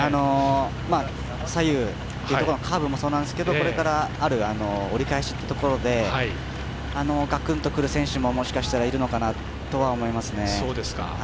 左右っていうところのカーブもそうなんですけどこれからある折り返しのところでガクンとくる選手ももしかしたらいるのかなと思います。